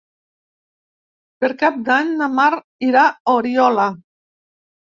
Per Cap d'Any na Mar irà a Oriola.